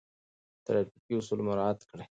ترافیکي اصول مراعات کړئ.